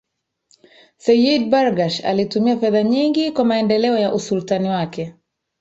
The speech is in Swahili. Seyyid Barghash alitumia fedha nyingi kwa maendeleo ya usultan wake